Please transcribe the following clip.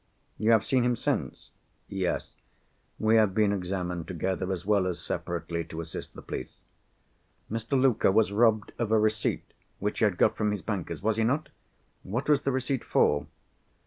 "You have seen him since?" "Yes. We have been examined together, as well as separately, to assist the police." "Mr. Luker was robbed of a receipt which he had got from his banker's—was he not? What was the receipt for?"